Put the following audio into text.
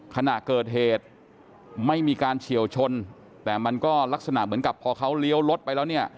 ขณะเกิดเหตุไม่มีการเฉียวชนแต่มันก็ลักษณะเหมือนกับพอเขาเลี้ยวรถไปแล้วเนี่ย